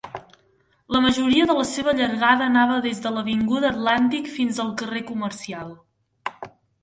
La majoria de la seva llargada anava des de l'avinguda Atlantic fins al carrer Commercial.